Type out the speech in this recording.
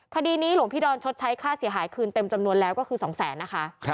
คดีนี้หลวงพี่ดอนชดใช้ค่าเสียหายคืนเต็มจำนวนแล้วก็คือ๒แสนนะคะ